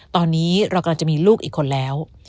ตอนนี้เรากำลังจะมีลูกอีกคนแล้ว